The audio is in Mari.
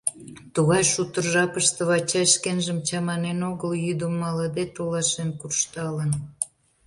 Тугай шутыр жапыште Вачай шкенжым чаманен огыл, йӱдым малыде толашен куржталын.